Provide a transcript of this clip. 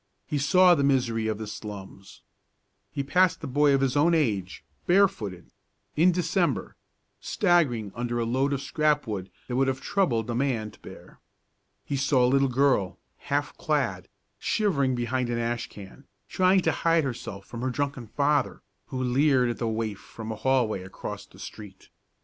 He saw the misery of the slums. He passed a boy of his own age, barefooted in December staggering under a load of scrap wood that would have troubled a man to bear. He saw a little girl, half clad, shivering behind an ash can, trying to hide herself from her drunken father, who leered at the waif from a hallway across the street.